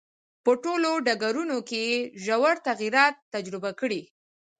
په ټولو ډګرونو کې یې ژور تغییرات تجربه کړي.